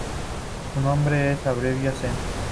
Su nombre se abrevia sen.